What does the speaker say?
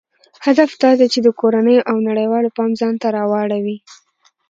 هدف دا دی چې د کورنیو او نړیوالو پام ځانته راواړوي.